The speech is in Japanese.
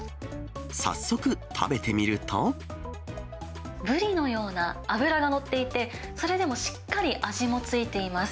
早速、ブリのような脂が乗っていて、それでもしっかり味も付いています。